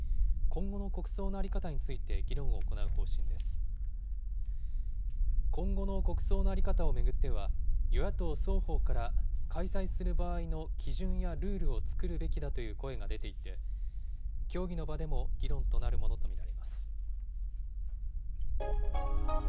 今後の国葬の在り方を巡っては、与野党双方から開催する場合の基準やルールを作るべきだという声が出ていて、協議の場でも議論となるものと見られます。